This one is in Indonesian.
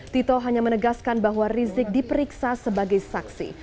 tito hanya menegaskan bahwa rizik diperiksa sebagai saksi